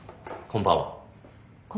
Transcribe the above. こんばんは。